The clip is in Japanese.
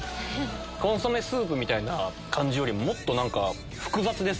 コンソメスープみたいな感じよりもっと複雑です。